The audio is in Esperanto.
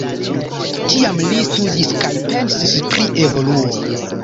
Tiam li studis kaj pensis pri evoluo.